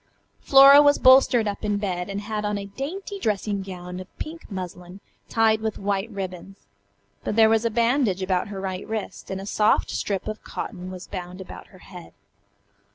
Flora was bolstered up in bed, and had on a dainty dressing gown of pink muslin tied with white ribbons. But there was a bandage about her right wrist, and a soft strip of cotton was bound about her head.